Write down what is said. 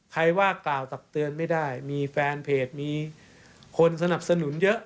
ว่ากล่าวตักเตือนไม่ได้มีแฟนเพจมีคนสนับสนุนเยอะ